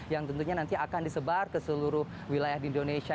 yang tentunya nanti akan disebar ke seluruh wilayah di indonesia